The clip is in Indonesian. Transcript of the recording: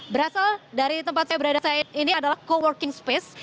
berasal dari tempat saya berada saat ini adalah co working space